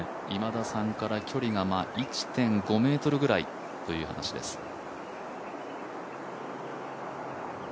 今田さんから距離が１．５ｍくらいという話です。